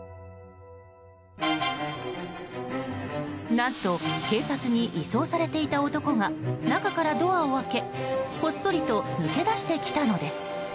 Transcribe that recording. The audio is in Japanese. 何と警察に移送されていた男が中からドアを開けこっそりと抜け出してきたのです。